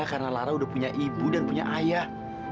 karena lara udah punya ibu dan punya ayah